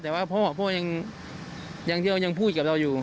แต่ว่าพ่อยังพูดกับเราอยู่